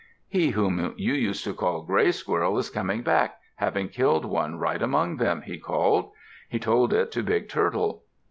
"He whom you used to call 'Gray Squirrel' is coming back, having killed one right among them," he called. He told it to Big Turtle.